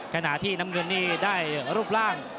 ขณะที่น้ำเงินนี่ได้รูปร่าง